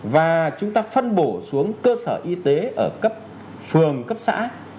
và chúng ta phân bổ xuống cơ sở y tế ở cấp phường cấp xã